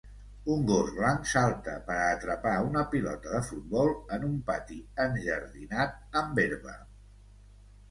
Un gos blanc salta per a atrapar una pilota de futbol en un pati enjardinat amb herba.